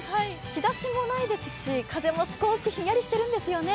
日ざしもないですし風も少しひんやりしているんですよね。